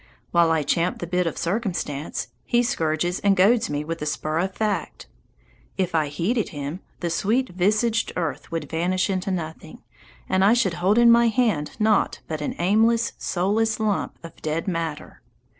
While I champ the bit of circumstance, he scourges and goads me with the spur of fact. If I heeded him, the sweet visaged earth would vanish into nothing, and I should hold in my hand nought but an aimless, soulless lump of dead matter.